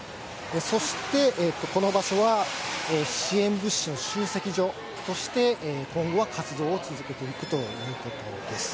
そして、この場所は支援物資の集積所として、今後は活動を続けていくということです。